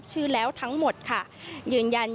ส่วนสบนิรนามทั้ง๓คนที่แพทย์ขอความร่วมมือก่อนหน้านี้นะคะ